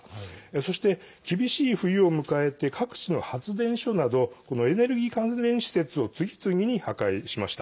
そして、厳しい冬を迎えて各地の発電所などエネルギー関連施設を次々に破壊しました。